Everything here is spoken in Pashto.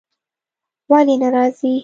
ولی نه راځی ؟